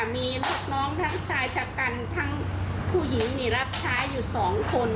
มีลูกน้องทั้งชายชะกันทั้งผู้หญิงรับใช้อยู่๒คน